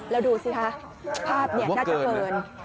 แล้วดูสิคะภาพน่าจะเกิน